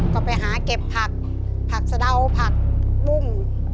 ก็ไปหาเก็บผักผักสะเดาผักบุ้ง